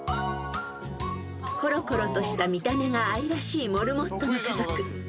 ［ころころとした見た目が愛らしいモルモットの家族］